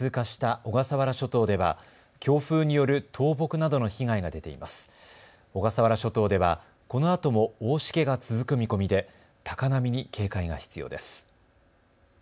小笠原諸島では、このあとも大しけが続く見込みで高波に警戒が必要です。